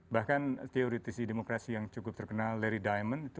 bahkan teori demokrasi yang cukup terkenal larry diamond